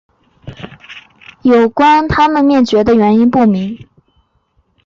有关它们灭绝的原因不明。